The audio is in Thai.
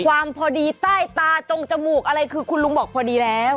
พอดีใต้ตาตรงจมูกอะไรคือคุณลุงบอกพอดีแล้ว